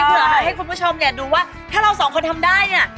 เพื่อให้คุณผู้ชมเนี่ยดูว่าถ้าเราสองคนทำได้เนี่ย